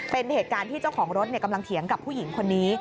เป็นเหตุการณ์ที่เจ้าของรถกำลังเถียงกับผู้หญิงคนนี้